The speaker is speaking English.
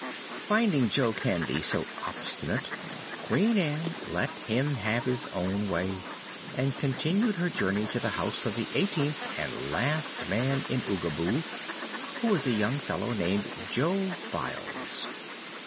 Finding Jo Candy so obstinate, Queen Ann let him have his own way and continued her journey to the house of the eighteenth and last man in Oogaboo, who was a young fellow named Jo Files.